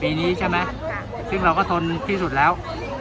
ปีนี้ใช่ไหมซึ่งเราก็ทนที่สุดแล้ว